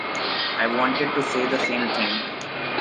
I wanted to say the same thing.